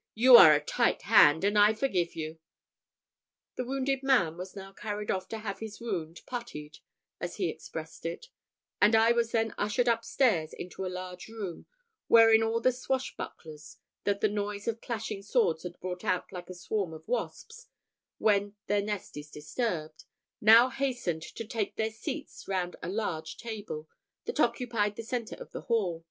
_ you are a tight hand, and I forgive you." The wounded man was now carried off to have his wound puttied, as he expressed it; and I was then ushered up stairs into a large room, wherein all the swash bucklers, that the noise of clashing swords had brought out like a swarm of wasps when their nest is disturbed, now hastened to take their seats round a large table that occupied the centre of the hall.